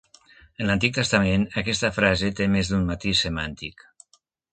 En l'Antic Testament, aquesta frase té més d'un matís semàntic.